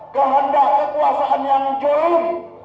kehendak kekuasaan yang jauh